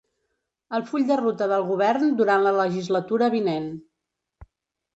El full de ruta del govern durant la legislatura vinent.